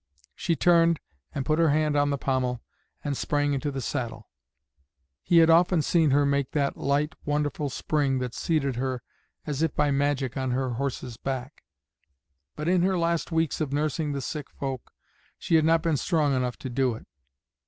She turned and put her hand on the pommel, and sprang into the saddle. He had often seen her make that light, wonderful spring that seated her as if by magic on her horse's back, but in her last weeks of nursing the sick folk she had not been strong enough to do it.